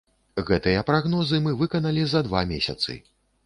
Гэтыя прагнозы мы выканалі за два месяцы.